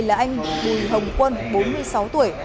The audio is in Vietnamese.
là anh bùi hồng quân bốn mươi sáu tuổi